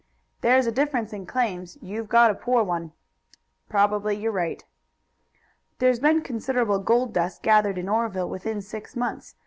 "There's a difference in claims. You've got a poor one." "Probably you are right." "There's been considerable gold dust gathered in Oreville within six months.